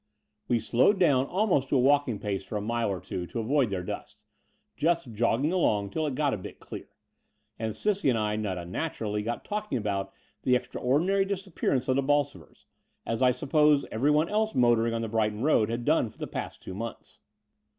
We slowed down almost to a walking pace for a mile or two to avoid their dust, just jogging along till it got a bit clear: and Cissie and I not tm naturally got talking about the extraordinary disappearance of the Bolsovers, as I suppose everyone else motoring on the Brighton Road had done for the past two months.